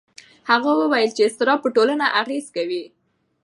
هغه وویل چې اضطراب په ټولنه اغېز کوي.